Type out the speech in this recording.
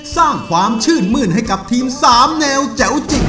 สร้างความชื่นมื้นให้กับทีม๓แนวแจ๋วจริง